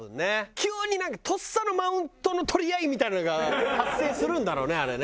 急になんかとっさのマウントの取り合いみたいなのが発生するんだろうねあれね。